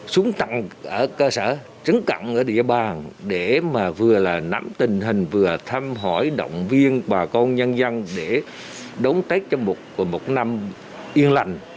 xuống tặng ở cơ sở trấn cặn ở địa bàn để mà vừa là nắm tình hình vừa thăm hỏi động viên bà con nhân dân để đón tết cho một năm yên lành